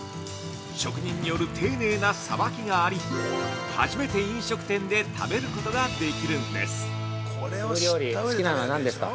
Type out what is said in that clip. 職人による丁寧なさばきがあり初めて飲食店で食べることができるんです。